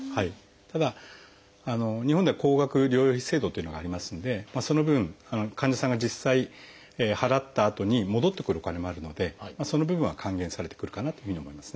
ただ日本では高額療養費制度というのがありますのでその分患者さんが実際払ったあとに戻ってくるお金もあるのでその部分は還元されてくるかなというふうに思いますね。